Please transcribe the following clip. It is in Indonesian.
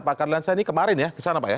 pak karlansa ini kemarin ya kesana pak ya